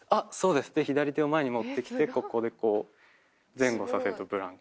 で左手を前に持って来てここでこう前後させると「ブランコ」で。